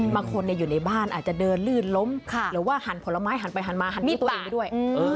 บางคนอยู่ในบ้านอาจจะเดินลื่นล้มหรือว่าหันผลไม้หันไปหันมาหันมีดตัวเองไปด้วย